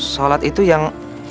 sholat itu yang